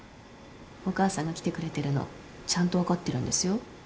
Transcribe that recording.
お母さんが来てくれてるのちゃんと分かってるんですよ。